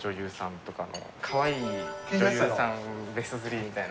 カワイイ女優さんベスト３みたいな。